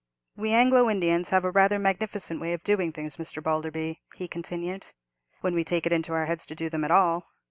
"We Anglo Indians have rather a magnificent way of doing things, Mr. Balderby" he continued, "when we take it into our heads to do them at all.